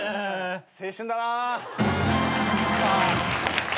青春だな。